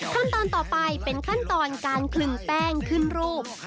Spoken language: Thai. ขั้นตอนต่อไปเป็นขั้นตอนการคลึงแป้งขึ้นรูป